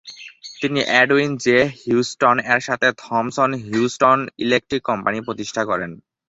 তিনি Edwin J Houston এর সাথে থমসন-হিউস্টন ইলেক্ট্রিক কোম্পানি প্রতিষ্ঠা করেন।